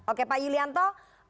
oke pak yulianto